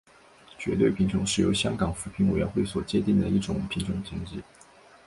绝对贫穷是由香港扶贫委员会所界定的一种贫穷层级。